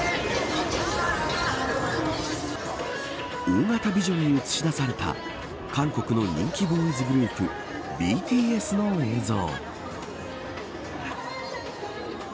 大型ビジョンに映し出された韓国の人気ボーイズグループＢＴＳの映像。